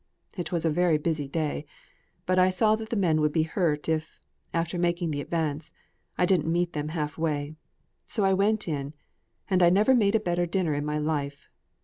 It was a very busy day, but I saw that the men would be hurt if, after making the advance, I didn't meet them half way, so I went in, and I never made a better dinner in my life.